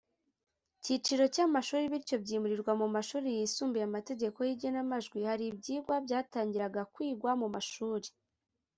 cyiciro cy’amashuri bityo byimurirwa mu mashuri yisumbuye (amategeko y’igenamajwi). Hari ibyigwa byatangiraga kwigwa mu mashuri